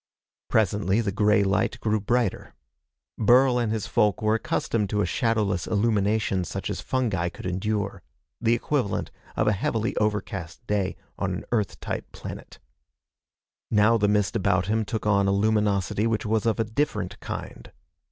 Presently the gray light grew brighter. Burl and his folk were accustomed to a shadowless illumination such as fungi could endure the equivalent of a heavily overcast day on an Earth type planet. Now the mist about him took on a luminosity which was of a different kind.